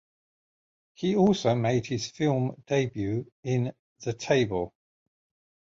He also made his film debut in "The Table".